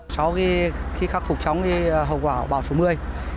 sau khi khắc phục trong hậu quả bão số một mươi